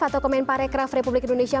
atau kementerian pariwisata republik indonesia